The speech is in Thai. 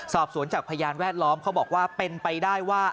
สอบสวนจากพยานแวดล้อมเขาบอกว่าเป็นไปได้ว่า